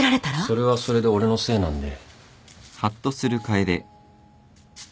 それはそれで俺のせいなんで。